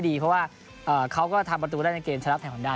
ดีเพราะว่าเอ่อเขาก็ทำประตูได้ในเกมชะลับแทบหวันดา